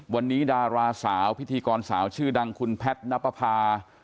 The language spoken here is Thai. วันนี้ดาราสาวพิธีกรสาวชื่อดังคุณแพทย์นับประพา